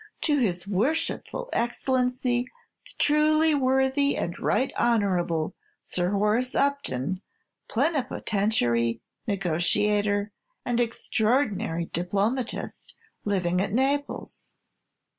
'To his Worshipful Excellency the Truly Worthy and Right Honorable Sir Horace Upton, Plenipotentiary, Negotiator, and Extraordinary Diplomatist, living at Naples.'"